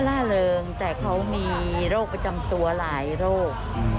ล่าเริงแต่เขามีโรคประจำตัวหลายโรค